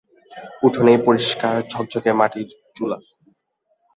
উঠোনেই পরিষ্কার ঝকঝকে মাটির চুল।